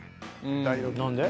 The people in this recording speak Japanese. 何で？